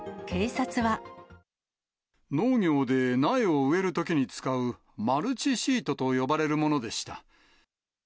農業で苗を植えるときに使う、マルチシートと呼ばれるものでした。